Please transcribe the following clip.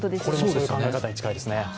その考え方に近いですね。